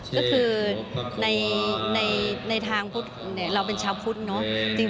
ก็คือในทางพุทธเราเป็นชาวพุทธเนอะ